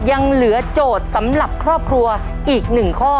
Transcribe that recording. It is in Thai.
ยังเหลือโจทย์สำหรับครอบครัวอีก๑ข้อ